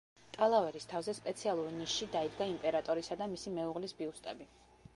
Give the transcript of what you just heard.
ტალავერის თავზე, სპეციალურ ნიშში, დაიდგა იმპერატორისა და მისი მეუღლის ბიუსტები.